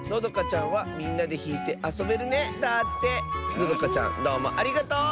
のどかちゃんどうもありがとう！